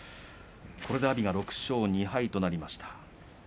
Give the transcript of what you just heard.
これで阿炎が６勝２敗となりました。